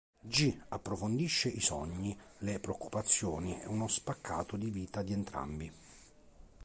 G. approfondisce i sogni, le preoccupazioni e uno spaccato di vita di entrambi.